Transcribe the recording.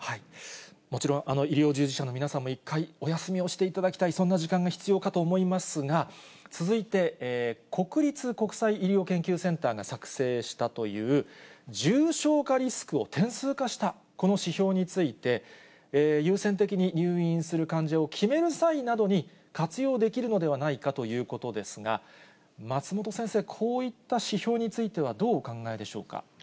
もちろん医療従事者の皆さんも一回、お休みをしていただきたい、そんな時間が必要かと思いますが、続いて国立国際医療研究センターが作成したという、重症化リスクを点数化した、この指標について、優先的に入院する患者を決める際などに活用できるのではないかということですが、松本先生、こういった指標についてはどうお考えでしょうか。